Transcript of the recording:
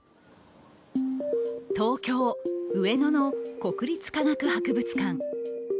東京・上野の国立科学博物館。